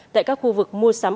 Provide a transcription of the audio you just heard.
tại các khu vực mua sắm